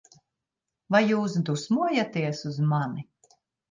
Vai jūs dusmojaties uz mani?